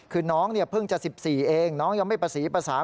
คือน้องเนี่ยเพิ่งจะ๑๔เองน้องยังไม่ประสีประสาน